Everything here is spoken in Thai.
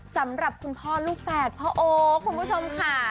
สำหรับคุณพ่อลูกแฝดพ่อโอ๊คคุณผู้ชมค่ะ